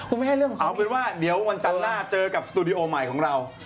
คุณไม่ให้เรื่องของเขาเอาเป็นว่าเดี๋ยววันจันทร์หน้าเจอกับสตูดิโอใหม่ของเรา